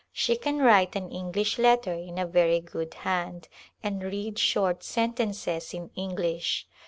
She can write an English letter in a very good hand, and read short sentences in English.